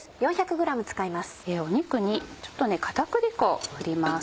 肉にちょっと片栗粉を振ります。